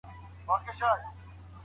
د هلکانو لیلیه له پامه نه غورځول کیږي.